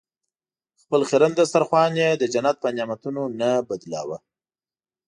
خپل خیرن دسترخوان یې د جنت په نعمتونو نه بدلولو.